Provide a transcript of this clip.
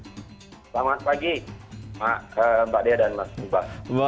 selamat pagi mbak dea dan mas ubah